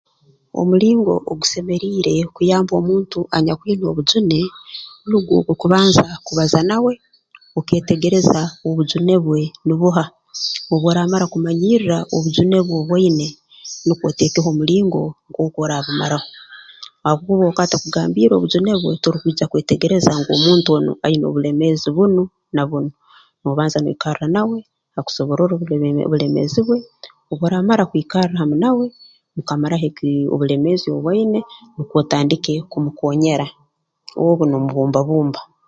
Omulingo ogusemeriire kuyamba omuntu anyakwine obujune nugwo okubanza kubaza nawe okeetegereza obujune bwe nubuha obu oraamara kumanyirra obujune bwe obu aine nukwo oteekeho omulingo nkooku oraabumaraho habwokuba obu akuba atakugambiire obujune bwe torukwija kwetegereza ngu omuntu onu aine obulemeezi bunu na buno noobanza noikarra nawe akusobororre obub obulemeezi bwe obu oraamara kwikarra hamu nawe mukamaraaho obulemeezi obu aine nukwo otandike kumukoonyera obu noomubumba bumba